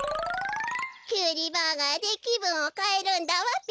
きゅうりバーガーできぶんをかえるんだわべ。